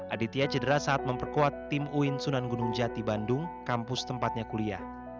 aditya cedera saat memperkuat tim uin sunan gunung jati bandung kampus tempatnya kuliah